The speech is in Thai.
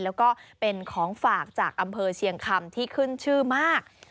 แล้วก็เป็นของฝากจากอำเภอเชียงคำที่ขึ้นชื่อมาก